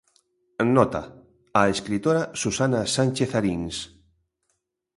Nota: a escritora Susana Sánchez Arins.